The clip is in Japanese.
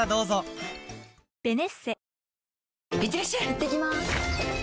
いってきます！